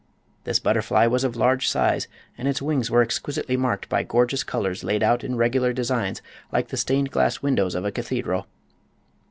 This butterfly was of large size and its wings were exquisitely marked by gorgeous colors laid out in regular designs like the stained glass windows of a cathedral.